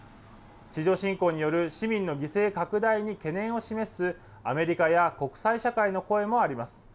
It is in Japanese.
地上侵攻による市民の犠牲拡大に懸念を示すアメリカや国際社会の声もあります。